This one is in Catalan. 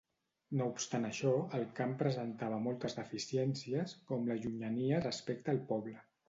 No obstant això, el camp presentava moltes deficiències, com la llunyania respecte al poble.